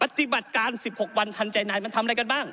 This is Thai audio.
ปฏิบัติการ๑๖วันทันใจนายมันทำอะไรกันบ้าง